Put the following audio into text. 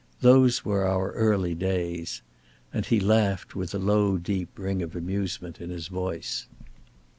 Those were our early days." And he laughed with a low deep ring of amusement in his voice.